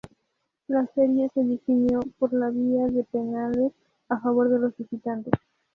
La serie se definió por la vía de penales a favor de los visitantes.